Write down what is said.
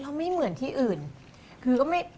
แม่ทำให้หนูทานเหมือนกับแม่